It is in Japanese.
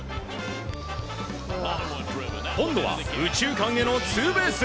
今度は右中間へのツーベース。